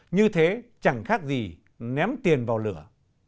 như thế chẳng khác gì ném tiền vào lửa